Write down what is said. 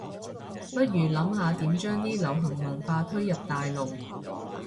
不如諗下點將啲流行文化推入大陸